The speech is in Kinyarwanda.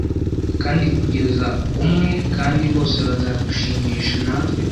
Kandi kugeza umwe kandi bose bazadushimisha, natwe.